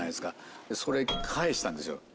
それ返したんですよ。